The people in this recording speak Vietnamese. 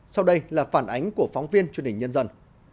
sau đây là phản ánh của phóng viên truyền hình nhân dân